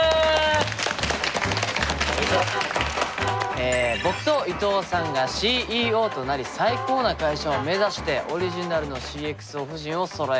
え僕と伊藤さんがＣＥＯとなり最高な会社を目指してオリジナルのＣｘＯ布陣をそろえますということでございます。